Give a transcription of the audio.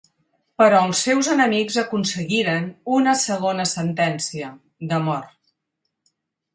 Però els seus enemics aconseguiren una segona sentència: de mort.